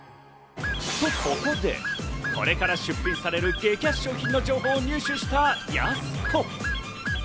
とここで、これから出品される激安商品の情報を入手したやす子。